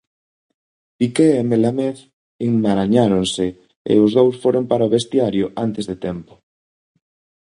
Piqué e Melamed enmarañáronse e os dous foron para o vestiario antes de tempo.